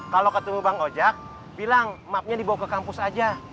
kalau ketemu bang ojek bilang mapnya dibawa ke kampus aja